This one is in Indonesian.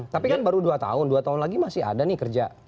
tapi kan baru dua tahun dua tahun lagi masih ada nih kerja